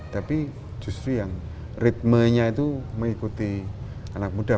tapi justru yang ritmenya itu mengikuti anak muda